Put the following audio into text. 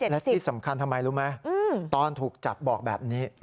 และที่สำคัญทำไมรู้ไหมตอนถูกจับบอกแบบนี้